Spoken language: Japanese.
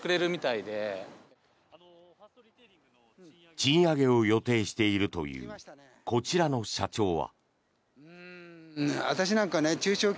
賃上げを予定しているというこちらの社長は。